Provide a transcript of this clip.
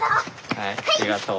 はいありがとう。